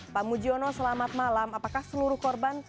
pak mujiono selamat malam apakah seluruh korban